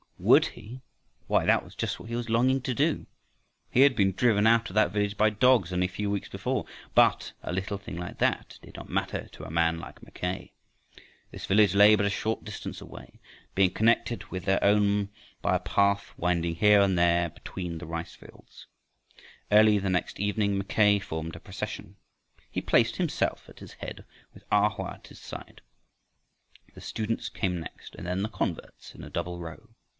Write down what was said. Would he? Why that was just what he was longing to do. He had been driven out of that village by dogs only a few weeks before, but a little thing like that did not matter to a man like Mackay. This village lay but a short distance away, being connected with their own by a path winding here and there between the rice fields. Early the next evening Mackay formed a procession. He placed himself at its head, with A Hoa at his side. The students came next, and then the converts in a double row.